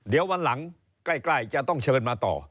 เดี๋ยววันหลังใกล้จะต้องเชิญมาต่อ